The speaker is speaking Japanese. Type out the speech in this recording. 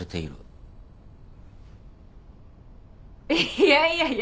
いやいやいや